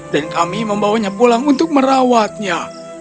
dan kami membawanya pulang untuk merawatnya